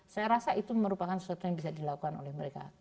saya rasa itu merupakan sesuatu yang bisa dilakukan oleh mereka